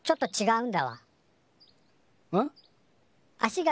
うん。